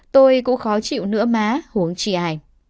tôi cũng khó chịu nữa má huống chi ai